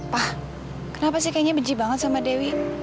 pak kenapa sih kayaknya benci banget sama dewi